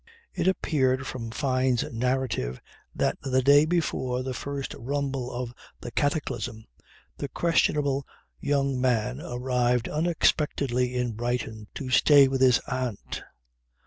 It appeared from Fyne's narrative that the day before the first rumble of the cataclysm the questionable young man arrived unexpectedly in Brighton to stay with his "Aunt."